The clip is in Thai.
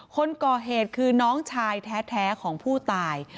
คนก่อเหตุคือน้องชายแท้ของผู้ตาย